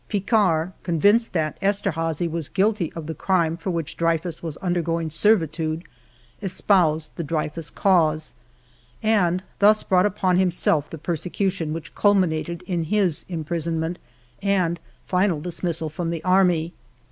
Picquart, convinced that Esterhazy was guilty of the crime for which Dreyfus was undergoing servitude, espoused the Dreyfus cause and thus brought upon himself the perse cution which culminated in his imprisonment and final dismissal from the army.